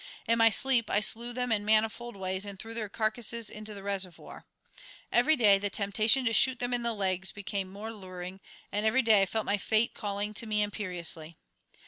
In my sleep I slew them in manifold ways and threw their carcasses into the reservoir. Each day the temptation to shoot them in the legs became more luring, and every day I felt my fate calling to me imperiously.